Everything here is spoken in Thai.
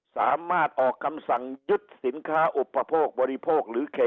สามารถออกคำสั่งยึดสินค้าอุปโภคบริโภคหรือเขต